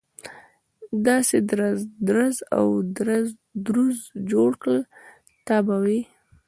داسې درز او دروز جوړ کړي ته به وایي.